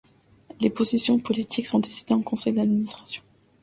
Les positions politiques sont décidées en Conseil d'administration.